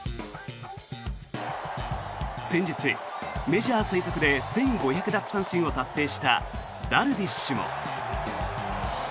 先日、メジャー最速で１５００奪三振を達成したダルビッシュも。